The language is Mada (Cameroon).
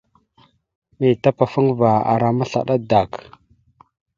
Mbiyez tapafaŋva ara maslaɗa adak.